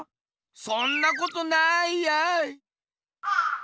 そんなことないやい。